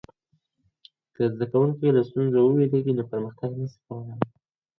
که زده کوونکی له ستونزو وویریږي نو پرمختګ نسي کولای.